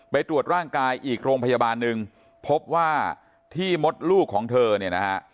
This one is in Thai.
ไปตรวจร่างกายอีกโรงพยาบาลหนึ่งพบว่าที่มดลูกของเธอเนี่ยนะฮะ